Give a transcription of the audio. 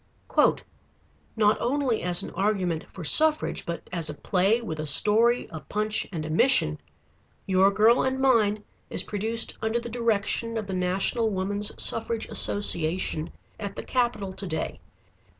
"Not only as an argument for suffrage but as a play with a story, a punch, and a mission, 'Your Girl and Mine' is produced under the direction of the National Woman's Suffrage Association at the Capitol to day.